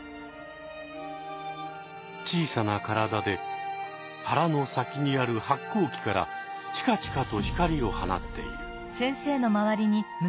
小さな体で腹の先にある発光器からチカチカと光を放っている。